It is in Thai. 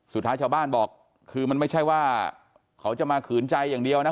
สุดท้ายชาวบ้านบอกคือมันไม่ใช่ว่าเขาจะมาขืนใจอย่างเดียวนะ